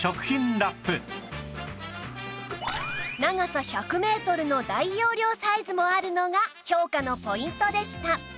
長さ１００メートルの大容量サイズもあるのが評価のポイントでした